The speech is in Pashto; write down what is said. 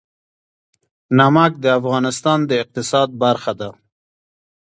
نمک د افغانستان د اقتصاد برخه ده.